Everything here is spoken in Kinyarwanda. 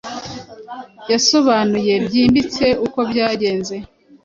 yasobanuye byimbitse uko byagenze